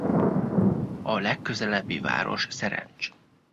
A legközelebbi város Szerencs.